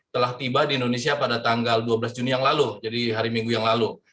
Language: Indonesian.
telah tiba di indonesia pada tanggal dua belas juni yang lalu jadi hari minggu yang lalu